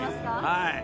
はい。